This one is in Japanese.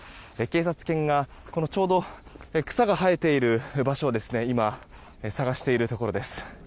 警察犬がちょうど草が生えている場所を今、捜しているところです。